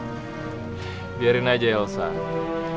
mungkin adikmu ini udah ditakdirkan jadi orang miskin ya mas